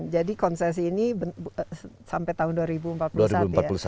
jadi konsesi ini sampai tahun dua ribu empat puluh satu ya